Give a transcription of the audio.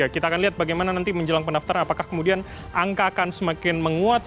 kita akan lihat bagaimana nanti menjelang pendaftaran apakah kemudian angka akan semakin menguat